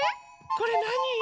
これなに？